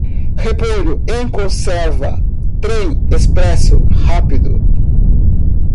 Repolho em conserva Trem expresso rápido.